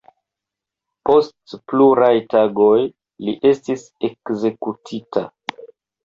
Post pluraj tagoj li estis ekzekutita.